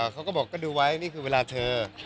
เขาก็บอกก็ดูไว้นี่คือเวลาเธอ